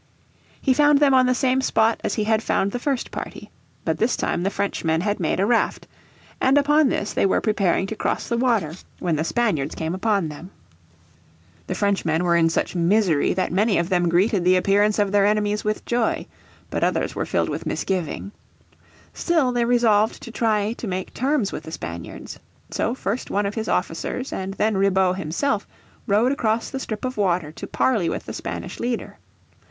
He found them on the same spot as he had found the first party. But this time the Frenchmen had made a raft, and upon this they were preparing to cross the water when the Spaniards came upon them. The Frenchmen were in such misery that many of them greeted the appearance of their enemies with joy. But others were filled with misgiving. Still they resolved to try to make terms with the Spaniards. So first one of his officers, and then Ribaut himself, rowed across the strip of water to parley with the Spanish leader.